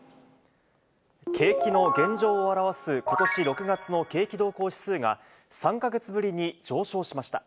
景気の現状を表すことし６月の景気動向指数が、３か月ぶりに上昇しました。